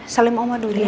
salim oma dulu ya